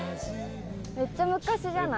めっちゃ昔じゃない？